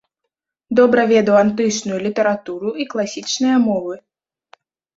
Добра ведаў антычную літаратуру і класічныя мовы.